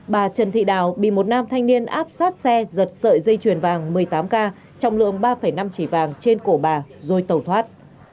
bà trần thị đào bị một nam thanh niên áp sát xe giật sợi dây chuyền vàng một mươi tám k trọng lượng ba năm chỉ vàng trên cổ bà rồi tàu thoát